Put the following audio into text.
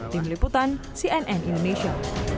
tim liputan cnn indonesia